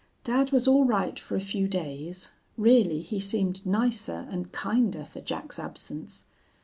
"Dad was all right for a few days. Really, he seemed nicer and kinder for Jack's absence.